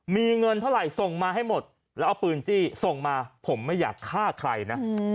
มีเงินเท่าไหร่ส่งมาให้หมดแล้วเอาปืนจี้ส่งมาผมไม่อยากฆ่าใครนะ